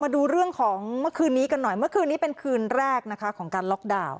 ดูเรื่องของเมื่อคืนนี้กันหน่อยเมื่อคืนนี้เป็นคืนแรกนะคะของการล็อกดาวน์